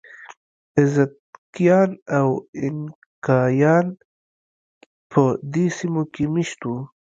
ازتکیان او اینکایان په دې سیمو کې مېشت وو.